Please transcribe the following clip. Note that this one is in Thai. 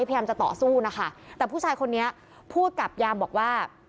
พยายามจะต่อสู้นะคะแต่ผู้ชายคนนี้พูดกับยามบอกว่า